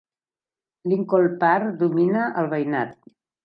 Lincoln Park domina el veïnat.